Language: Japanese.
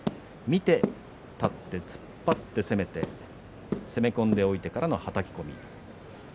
見て立って突っ張って攻めて攻め込んでおいてからのはたき込みでした。